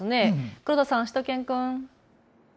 黒田さん、しゅと犬くん。